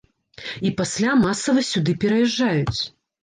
І пасля масава сюды пераязджаюць.